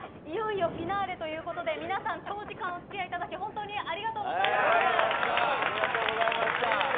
いよいよフィナーレということで皆さん長時間お付き合いいただき本当にありがとうございました。